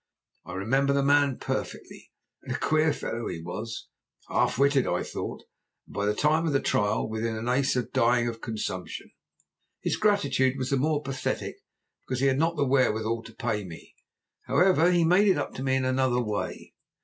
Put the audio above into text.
I remember the man perfectly, and a queer fellow he was, half witted, I thought, and at the time of the trial within an ace of dying of consumption. His gratitude was the more pathetic because he had not the wherewithal to pay me. However, he made it up to me in another way.